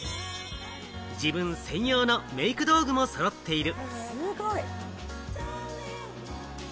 自分専用のメイク道具も揃っている。